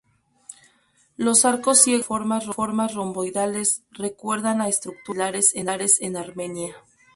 Los arcos ciegos con formas romboidales recuerdan a estructuras similares en Armenia.